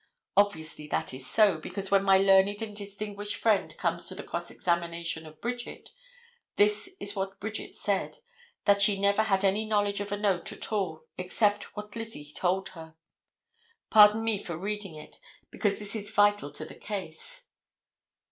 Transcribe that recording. Obviously that is so, because when my learned and distinguished friend comes to the cross examination of Bridget, this is what Bridget said, that she never had any knowledge of a note at all, except what Lizzie told her. Pardon me for reading it, because this is vital to the case.